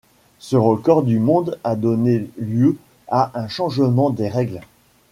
Ce record du monde a donné lieu à un changement des règles.